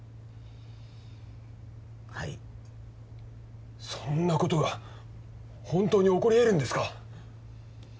はいそんなことが本当に起こりえるんですか？